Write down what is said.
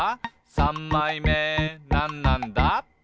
さんまいめなんなんだ？」